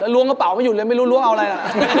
ล้วงกระเป๋าไม่หยุดเลยไม่รู้ล้วงเอาอะไรล่ะ